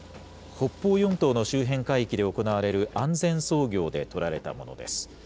北方四島の周辺海域で行われる安全操業で取られたものです。